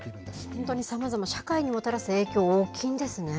本当にさまざま、社会にもたらす影響、大きいんですね。